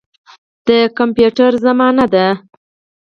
د کمپیوټر زمانه ده.